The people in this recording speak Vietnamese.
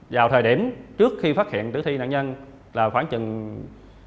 vào thời điểm trước khi phát hiện tử thi nạn nhân là khoảng chừng ba mươi phút